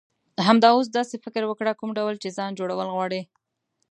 همدا اوس داسی فکر وکړه، کوم ډول چی ځان جوړول غواړی.